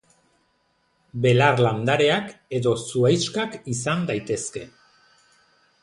Belar landareak edo zuhaixkak izan daitezke.